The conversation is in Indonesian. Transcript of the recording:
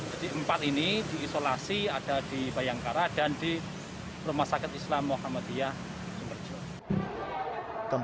jadi empat ini diisolasi ada di bayangkara dan di rumah sakit islam muhammadiyah jemberjo